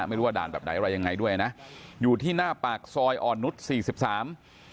ไม่รู้ว่าด่านแบบไหนอะไรยังไงด้วยนะอยู่ที่หน้าปากซอยอ่อนนุษย์สี่สิบสาม